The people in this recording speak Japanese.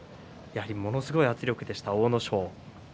やはりものすごい圧力でした阿武咲。